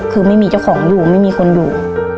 คือไม่มีเจ้าของอยู่ไม่มีคนอยู่